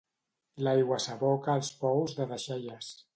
L'aigua s'aboca als pous de deixalles.